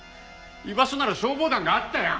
居場所なら消防団があったやん！